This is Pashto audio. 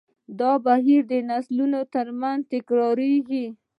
دا بهیر د نسلونو تر منځ تکراریږي.